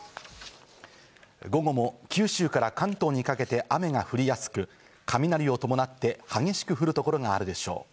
午後も九州から関東にかけて雨が降りやすく、雷を伴って激しく降る所があるでしょう。